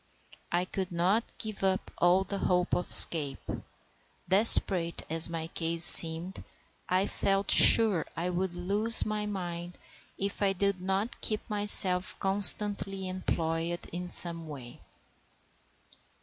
I could not give up all hope of escape, desperate as my case seemed, and I felt sure I would lose my mind if I did not keep myself constantly employed in some way.